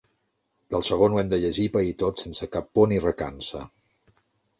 Del segon ho hem de llegir i pair tot sense cap por ni recança.